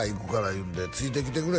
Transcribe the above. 言うんで「ついてきてくれ」